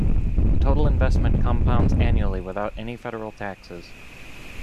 The total investment compounds annually without any federal taxes.